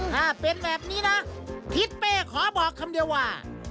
ถ้าเป็นแบบนี้นะทิศเป้ขอบอกคำเดียวว่า